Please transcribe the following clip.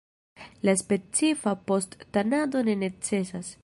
Ia specifa post-tanado ne necesas.